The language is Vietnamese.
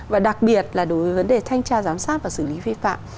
và đặc biệt là đối với vấn đề thanh tra giám sát và xử lý vi phạm